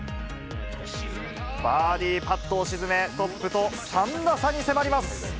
バーディーパットを沈め、トップと３打差に迫ります。